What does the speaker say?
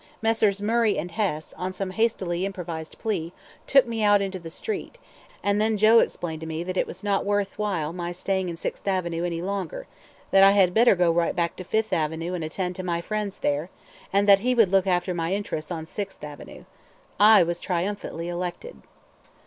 Messrs. Murray and Hess, on some hastily improvised plea, took me out into the street, and then Joe explained to me that it was not worth my while staying in Sixth Avenue any longer, that I had better go right back to Fifth Avenue and attend to my friends there, and that he would look after my interests on Sixth Avenue. I was triumphantly elected.